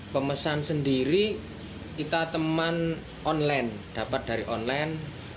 pemesan sendiri kita teman online dapat dari online